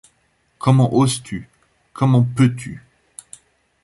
Comment oses-tu, comment peux-tu ?